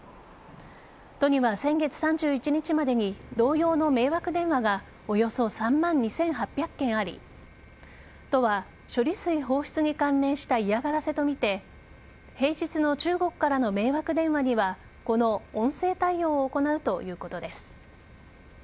都には先月３１日までに同様の迷惑電話がおよそ３万２８００件あり都は処理水放出に関連した嫌がらせとみて平日の中国からの迷惑電話にはこの音声対応を行うということです。